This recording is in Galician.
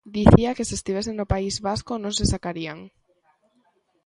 Dicía que se estivese no País Vasco non se sacarían.